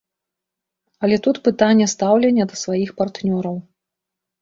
Але тут пытанне стаўлення да сваіх партнёраў.